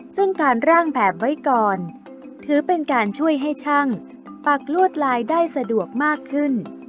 ซึ่งการร่างแบบไว้ก่อนถือเป็นการช่วยให้ช่างปักลวดลายได้สะดวกมากขึ้น